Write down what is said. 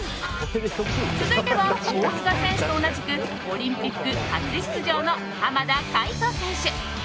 続いては大塚選手と同じくオリンピック初出場の濱田海人選手。